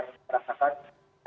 tiga tahun rezeki lembaran kita ada